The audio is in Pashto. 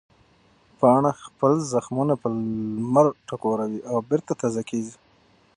پاڼه خپل زخمونه په لمر ټکوروي او بېرته تازه کېږي.